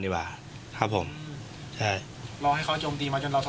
เอาอะไร